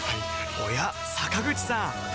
おや坂口さん